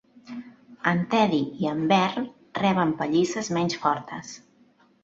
En Teddy i en Vern reben pallisses menys fortes.